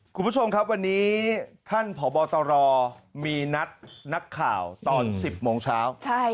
คุณผู้ชมครับวันนี้ท่านผอบตรมีนัดนักข่าวตอน๑๐โมงเช้า